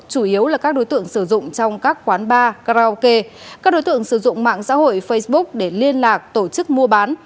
chủ yếu là các đối tượng sử dụng trong các quán bar karaoke các đối tượng sử dụng mạng xã hội facebook để liên lạc tổ chức mua bán